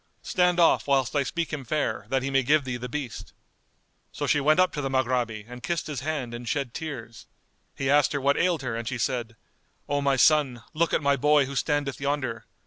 Stand off, whilst I speak him fair, that he may give thee the beast." So she went up to the Maghrabi and kissed his hand and shed tears. He asked her what ailed her and she said, "O my son, look at my boy who standeth yonder.